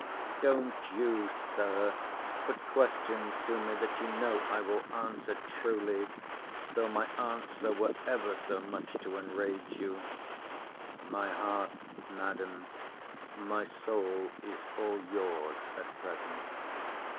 Don't you, Sir, put questions to me that you know I will answer truly, though my answer were ever so much to enrage you. My heart, Madam, my soul is all your's at present.